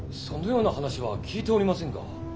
そのような話は聞いておりませんが。